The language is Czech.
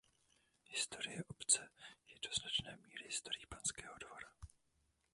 Historie obce je do značné míry historií panského dvora.